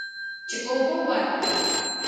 چې اوبه ورکړه.